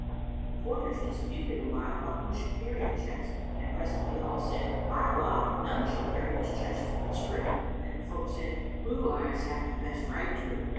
The porters disputed awhile about who should carry the chest and presently all said, "By Allah, none shall carry this chest but Zurayk!"[FN#286] And the folk said, "Blue eyes hath the best right to it."